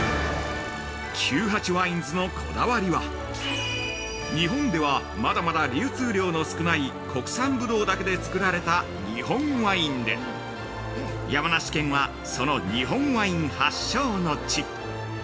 ◆９８ＷＩＮＥｓのこだわりは日本ではまだまだ流通量の少ない国産ぶどうだけでつくられた日本ワインで山梨県はその日本ワイン発祥の地。